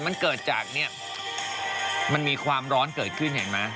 มันเกิดจากเนี่ยมันมีความร้อนเกิดขึ้นเห็นไหม